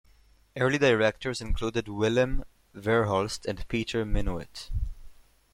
Early directors included Willem Verhulst and Peter Minuit.